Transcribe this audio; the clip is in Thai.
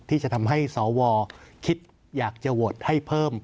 ที่จะทำให้สวคิดอยากจะโหวตให้เพิ่ม